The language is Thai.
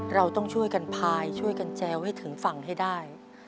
เราต้องช่วยกันพายช่วยกันแจวให้ถึงฝั่งให้ได้